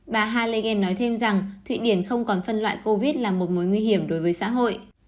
bà halegen nói thêm rằng thụy điển không còn phân loại covid là một mối nguy hiểm đối với xã hội